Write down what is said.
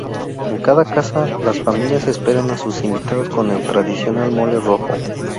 En cada casa las familias esperan a sus invitados con el tradicional mole rojo.